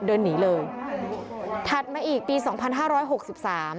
เดินหนีเลยถัดมาอีกปีสองพันห้าร้อยหกสิบสาม